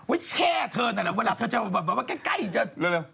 ไว้แช่เธอนั่นแหละเวลาเธอเจอแบบว่าใกล้